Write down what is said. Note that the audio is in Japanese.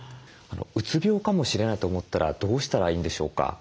うつ病かもしれないと思ったらどうしたらいいんでしょうか？